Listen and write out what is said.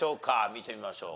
見てみましょう。